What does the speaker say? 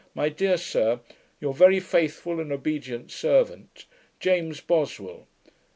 My dear Sir, Your very faithful and obedient servant, James Boswell.